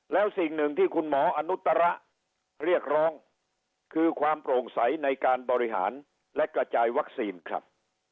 แล้วสิ่งหนึ่งที่คุณหมออนุตระเรียกร้องคือความโปร่งใสในการบริหารและกระจายวัคซีนครับ